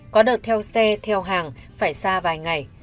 có đợt theo xe theo hàng phải xa vài ngày